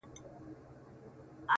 زما زړه په محبت باندي پوهېږي-